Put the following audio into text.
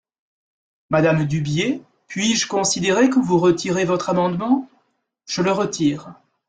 Madame Dubié, puis-je considérer que vous retirez votre amendement ? Je le retire.